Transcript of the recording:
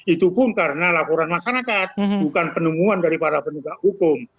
itu pun karena laporan masyarakat bukan penemuan dari para penegak hukum